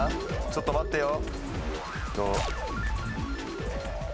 ちょっと待ってよ。